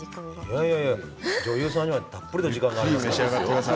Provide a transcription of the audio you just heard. いやいやいや女優さんにはたっぷりの時間がありますから。